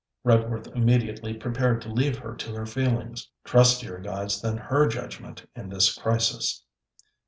Redworth immediately prepared to leave her to her feelings trustier guides than her judgement in this crisis.